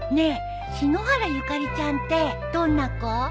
篠原ゆかりちゃんってどんな子？